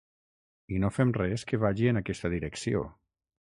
I no fem res que vagi en aquesta direcció.